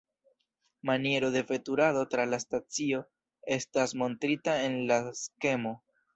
Maniero de veturado tra la stacio estas montrita en la skemo.